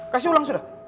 kasih ulang sudah